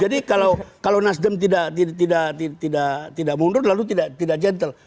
jadi kalau nasdem tidak mundur lalu tidak gentle